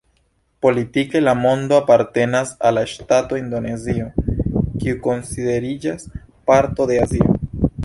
Politike la monto apartenas al la ŝtato Indonezio, kiu konsideriĝas parto de Azio.